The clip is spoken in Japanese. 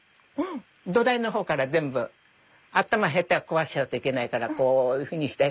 土台のほうから全部頭ヘッドは壊しちゃうといけないからこういうふうにして。